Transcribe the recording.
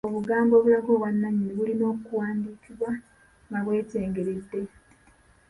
Obugambo obulaga obwannannyini bulina kuwandiikibwa nga bwetengeredde.